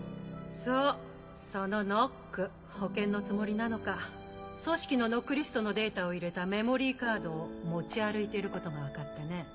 そうそのノック保険のつもりなのか組織のノックリストのデータを入れたメモリーカードを持ち歩いていることが分かってね。